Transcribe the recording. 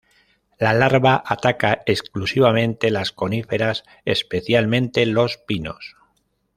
La larva ataca exclusivamente las coníferas, especialmente los pinos.